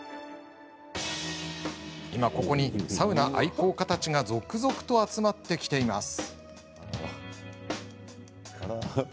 今ここに、サウナ愛好家たちが続々と集まってきています。